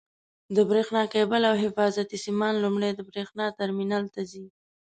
د برېښنا کېبل او حفاظتي سیمان لومړی د برېښنا ټرمینل ته ځي.